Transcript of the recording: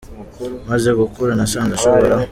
Maze gukura, nasanze nshobora.